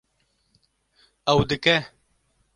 Ew dike